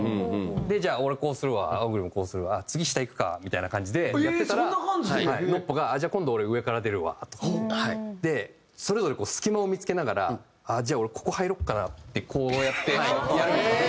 じゃあ俺こうするわＯｇｕｒｉもこうする次下行くかみたいな感じでやってたらＮＯＰＰＯがじゃあ今度俺上から出るわと。でそれぞれ隙間を見付けながらじゃあ俺ここ入ろうかなってこうやって入って。